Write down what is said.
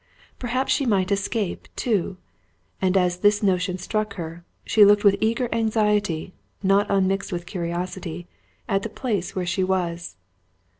Perhaps she might escape, too; and, as this notion struck her, she looked with eager anxiety, not unmixed with curiosity, at the place where she was.